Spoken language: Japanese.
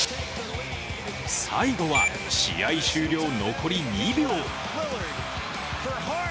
最後は試合終了残り２秒。